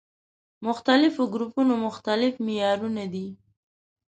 مختلفو ګروپونو مختلف معيارونه دي.